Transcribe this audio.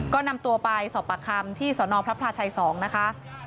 ก็นำตัวไปสอบปากคำที่สนพระพลาชัย๒นะคะ